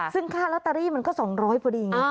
ซึ่งค่ารอตเตอรี่มันก็สองร้อยพอดี